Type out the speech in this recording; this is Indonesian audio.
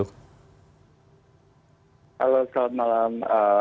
halo selamat malam